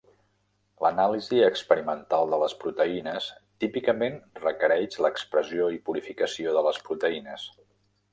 L'anàlisi experimental de les proteïnes típicament requereix l'expressió i purificació de les proteïnes.